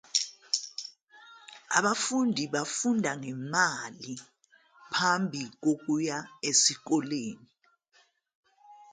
Abafundi bafunda ngemali phambi kokuya esikoleni.